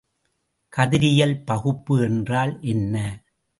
கதிரியல் பகுப்பு என்றால் என்ன?